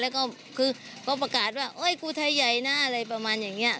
แล้วก็คือเขาประกาศว่ากูไทยใหญ่นะอะไรประมาณอย่างนี้